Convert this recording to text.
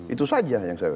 itu saja yang saya